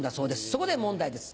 そこで問題です